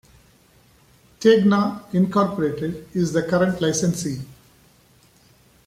Tegna, Incorporated is the current licensee.